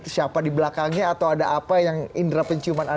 jika anda bersuara tidak kenal dari aliran dana penyelundupan